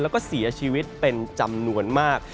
แล้วก็เสียชีวิตเป็นจำนวนมาก